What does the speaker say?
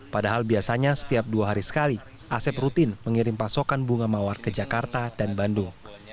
padahal biasanya setiap dua hari sekali asep rutin mengirim pasokan bunga mawar ke jakarta dan bandung